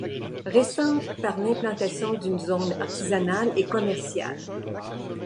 Récente par l'implantation d'une zone artisanale et commerciale.